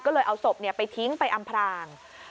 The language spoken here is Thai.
ก็เลยเอาศพไปทิ้งไปอำพราง